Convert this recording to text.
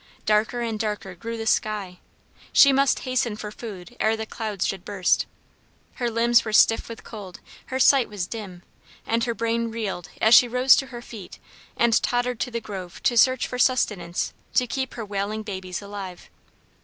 Darker and darker grew the sky. She must hasten for food ere the clouds should burst. Her limbs were stiff with cold, her sight was dim, and her brain reeled as she rose to her feet and tottered to the grove to search for sustenance to keep her wailing babes alive.